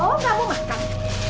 oh gak mau makan